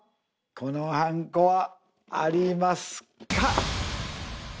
このはんこはありますか？